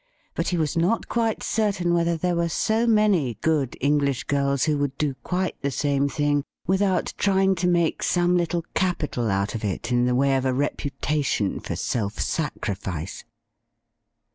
But he was not quite certain whether there were so many good English girls who would do quite the same thing without trying to make some little capital out of it in the way of a reputa tion for self sacrifice.